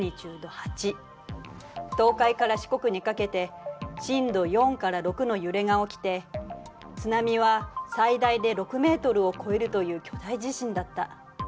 東海から四国にかけて震度４から６の揺れが起きて津波は最大で６ｍを超えるという巨大地震だった。